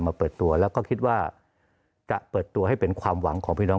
เปิดตัวแล้วก็คิดว่าจะเปิดตัวให้เป็นความหวังของพี่น้อง